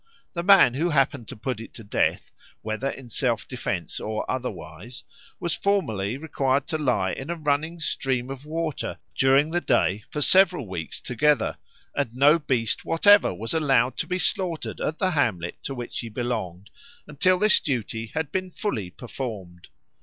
The man who happened to put it to death, whether in self defence or otherwise, was formerly required to lie in a running stream of water during the day for several weeks together; and no beast whatever was allowed to be slaughtered at the hamlet to which he belonged, until this duty had been fully performed.